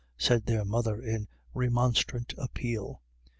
" said their mother in remonstrant appeal.